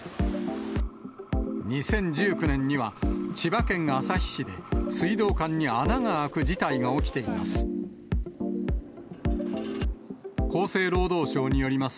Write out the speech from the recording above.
２０１９年には、千葉県旭市で水道管に穴が開く事態が起きています。